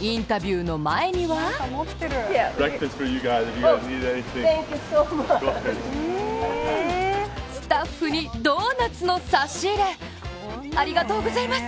インタビューの前にはスタッフにドーナツの差し入れ、ありがとうございます。